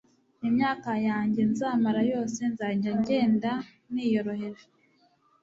imyaka yanjye nzamara yose nzajya ngende niyoroheje